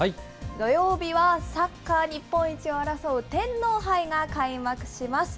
土曜日は、サッカー日本一を争う天皇杯が開幕します。